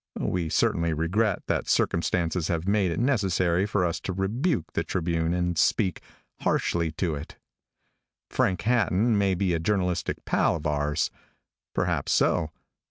We certainly regret that circumstances have made it necessary for us to rebuke the Tribune and speak, harshly to it. Frank Hatton may be a journalistic pal of ours. Perhaps so.